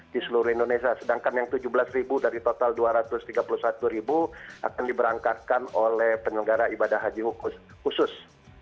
di seluruh indonesia sedangkan yang tujuh belas ribu dari total dua ratus tiga puluh satu ribu akan diberangkatkan oleh penyelenggara ibadah haji khusus